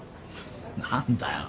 何だよ。